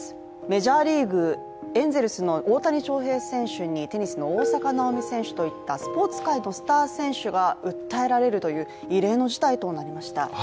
メジャーリーグ・エンゼルスの大谷翔平選手にテニスの大坂なおみ選手といったスポーツ界のスター選手が訴えられるという異例の事態となりました。